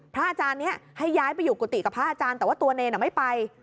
พระอาจารย์นี้ให้ย้ายไปอยู่กุฏิกับพระอาจารย์แต่ว่าตัวเนรไม่ไป